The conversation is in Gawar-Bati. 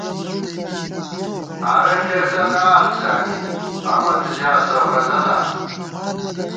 ہارہ ݪېسہ نعت زانی حمد ژاسہ غزَلاں